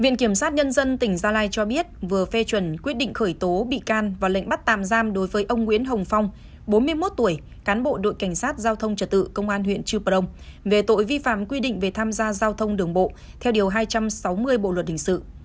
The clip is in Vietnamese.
ngày một mươi tháng năm công an tỉnh gia lai đã khởi tố bị can thi hành lệnh bắt tạm giam ông nguyễn hồng phong bốn mươi một tuổi cán bộ đội cảnh sát giao thông trật tự công an huyện trưu bờ đông về tội vi phạm quy định về tham gia giao thông đường bộ theo điều hai trăm sáu mươi bộ luật hình sự